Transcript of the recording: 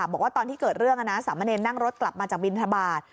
บอกว่าตอนที่เกิดเรื่องสามเณรนั่งรถกลับมาจากวินทบาท